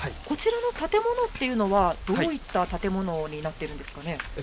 こちらの建物っていうのは、どういった建物になっているんですかね。